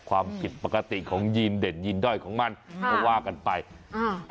ความผิดปกติของยีนเด่นยีนด้อยของมันก็ว่ากันไปอ่า